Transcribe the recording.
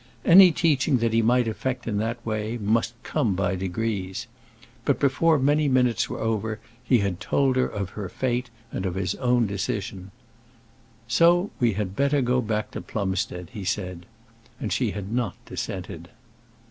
Any teaching that he might effect in that way, must come by degrees. But before many minutes were over he had told her of her fate and of his own decision. "So we had better go back to Plumstead," he said; and she had not dissented.